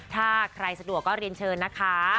ถ้าใครสะดวกก็เรียนเชิญนะคะ